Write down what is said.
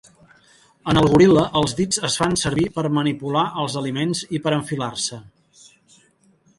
En el goril·la, els dits es fan servir per manipular els aliments i per enfilar-se.